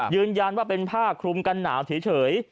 ยืนยันว่าเป็นผ้าคลุมกันหนาวเฉย